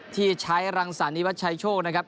ที่ชัยรังสานีวัชชโชครับ